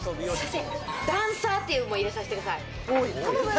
ダンサーというのも入れさせてください。